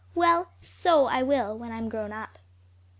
Well, so will I when I'm grown up."